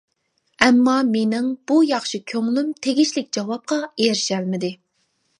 ئەمما مېنىڭ بۇ ياخشى كۆڭلۈم تېگىشلىك جاۋابقا ئېرىشەلمىدى.